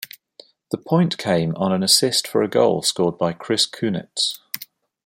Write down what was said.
The point came on an assist for a goal scored by Chris Kunitz.